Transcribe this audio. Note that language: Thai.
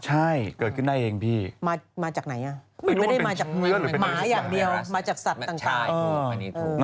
ใช่เกิดขึ้นได้เองพี่มาจากไหนอ่ะมันไม่ได้มาจากหมาอย่างเดียวมาจากสัตว์ต่าง